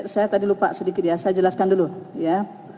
saya tadi lupa sedikit ya saya jelaskan dulu ya